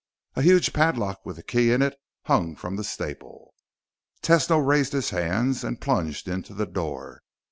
A huge padlock with the key in it hung from the staple. Tesno raised his hands and plunged into the door.